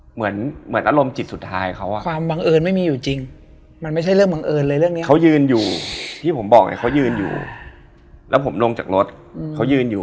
เหมือนเป็นเสียงสวดหรือเสียงไร